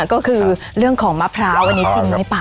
ก็คือเรื่องของมะพร้าวอันนี้จริงหรือเปล่า